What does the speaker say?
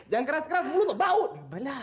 jangan keras keras mulu lo bau